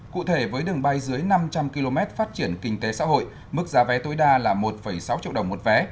cụ thể với đường bay dưới năm trăm linh km phát triển kinh tế xã hội mức giá vé tối đa là một sáu triệu đồng một vé